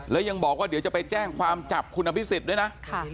แล้วยังบอกว่าเดี๋ยวจะไปแจ้งความจับคุณอภิษฎด้วยนะ